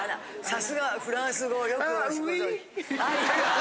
さすがフランス語をよく。